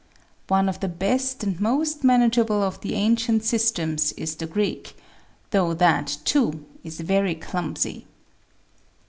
One of the best and most manage able of the ancient systems is the Greek, though that, too, is very clumsy."